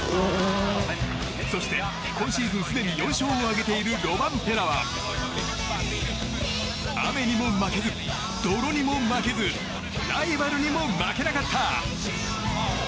そして今シーズンすでに４勝を挙げているロバンペラは雨にも負けず泥にも負けずライバルにも負けなかった。